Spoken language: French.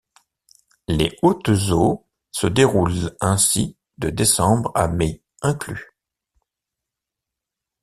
Les hautes eaux se déroulent ainsi de décembre à mai inclus.